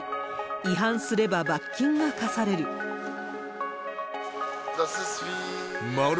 違反すれば罰金が科される。